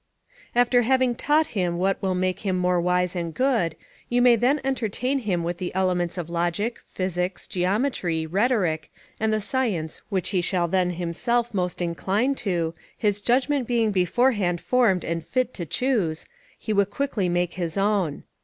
After having taught him what will make him more wise and good, you may then entertain him with the elements of logic, physics, geometry, rhetoric, and the science which he shall then himself most incline to, his judgment being beforehand formed and fit to choose, he will quickly make his own.